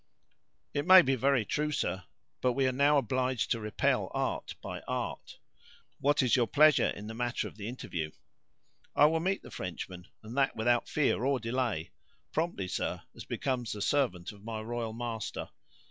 "It may be very true, sir; but we are now obliged to repel art by art. What is your pleasure in the matter of the interview?" "I will meet the Frenchman, and that without fear or delay; promptly, sir, as becomes a servant of my royal master.